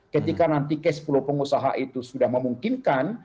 ketika nanti kes puluh pengusaha itu sudah memungkinkan